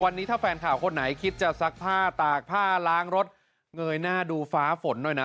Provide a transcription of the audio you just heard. วันนี้ถ้าแฟนข่าวคนไหนคิดจะซักผ้าตากผ้าล้างรถเงยหน้าดูฟ้าฝนหน่อยนะ